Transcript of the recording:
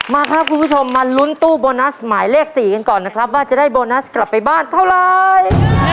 มาครับคุณผู้ชมมาลุ้นตู้โบนัสหมายเลข๔กันก่อนนะครับว่าจะได้โบนัสกลับไปบ้านเท่าไร